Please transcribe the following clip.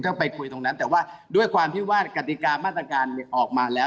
ก็ไปคุยตรงนั้นแต่ว่าด้วยความที่ว่ากติกามาตรการออกมาแล้ว